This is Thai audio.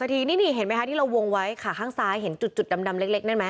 เมื่อกี้เห็นไหมที่เราวงไว้ขาข้างซ้ายเห็นจุดดำเล็กนั้นไหม